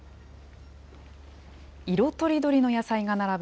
色とりどりの野菜が並ぶ